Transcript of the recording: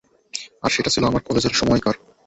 আর সেটা ছিল আমার কলেজের সময়কার।